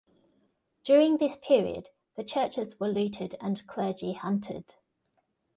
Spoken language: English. During this period, the churches were looted and clergy hunted.